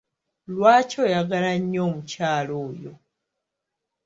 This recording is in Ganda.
Lwaki oyagala nnyo omukyala oyo?